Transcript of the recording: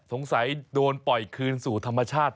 สงสัยโดนปล่อยคืนสู่ธรรมชาติ